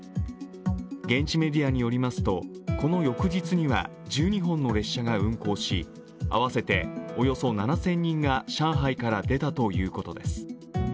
現地メディアによりますとこの翌日には１２本の列車が運行し合わせておよそ７０００人が上海から出たということです。